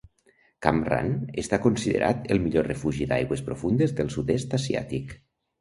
Cam Ranh està considerat el millor refugi d'aigües profundes del sud-est asiàtic.